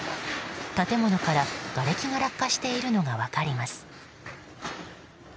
建物から、がれきが落下しているのが分かります。